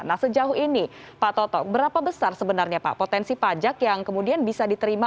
nah sejauh ini pak toto berapa besar sebenarnya pak potensi pajak yang kemudian bisa diterima